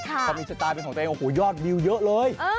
พอมีสไตล์เป็นของตัวเองโอ้โหยอดวิวเยอะเลย